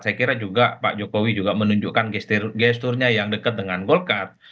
saya kira juga pak jokowi juga menunjukkan gesturnya yang dekat dengan golkar